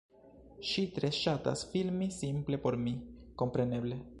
Ŝi tre ŝatas filmi simple pro mi, kompreneble